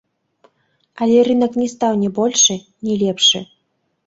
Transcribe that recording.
Але рынак не стаў ні большы, ні лепшы.